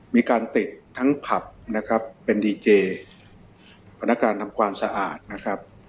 เตะทั้งผับนะครับเป็นดีเจพนักการทำความสะอาดนะครับ